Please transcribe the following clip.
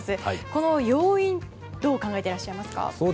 この要因どう考えてらっしゃいますか。